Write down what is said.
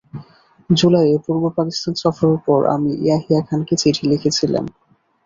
জুলাইয়ে পূর্ব পাকিস্তান সফরের পর আমি ইয়াহিয়া খানকে চিঠি লিখেছিলাম।